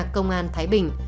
công an thái bình